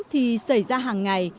thì xảy ra hàng ngày